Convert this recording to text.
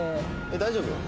大丈夫？